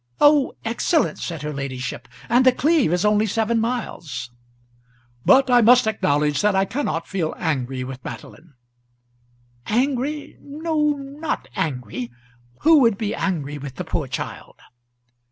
"Oh, excellent!" said her ladyship; "and The Cleeve is only seven miles." "But I must acknowledge that I cannot feel angry with Madeline." "Angry! no, not angry. Who would be angry with the poor child?"